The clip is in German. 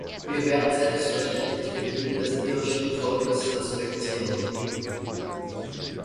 Wir werden selbstverständlich den Willen des irischen Volkes respektieren.